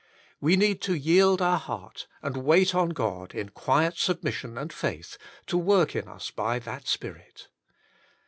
We need to yield our heart, and wait on God in quiet submission and faith to work in us by that Spirit.